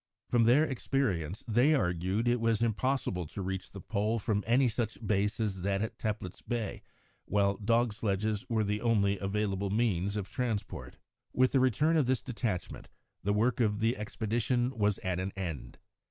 From their experience they argued it was impossible to reach the Pole from any such base as that at Teplitz Bay while dog sledges were the only available means of transport. With the return of this detachment the work of the expedition was at an end.